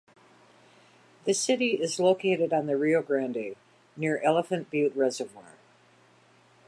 The city is located on the Rio Grande, near Elephant Butte Reservoir.